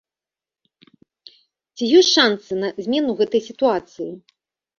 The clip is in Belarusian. Ці ёсць шанцы на змену гэтай сітуацыі?